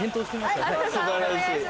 素晴らしい。